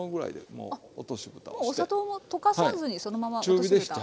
もうお砂糖も溶かさずにそのまま落としぶた。